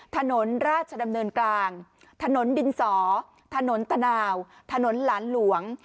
ถนนราชดำเนินกลางถนนดินสอถนนตะนาวถนนหลานหลวง